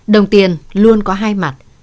đồng tiền luôn có hai mặt